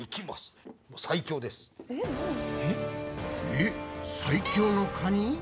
えっ最強のカニ？